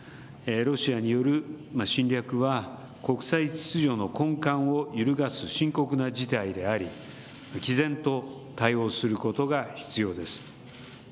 ロシアによる侵略は国際秩序の根幹を揺るがす深刻な事態であり毅然と対応することが必要です。